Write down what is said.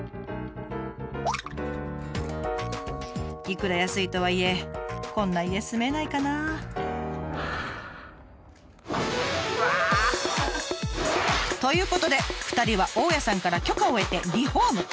いくら安いとはいえこんな家住めないかな。ということで２人は大家さんから許可を得てリフォーム。